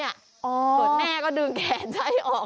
เผื่อแม่ก็ดึงแขนใช้ออก